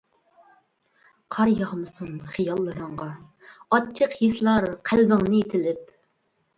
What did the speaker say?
قار ياغمىسۇن خىياللىرىڭغا، ئاچچىق ھېسلار قەلبىڭنى تىلىپ.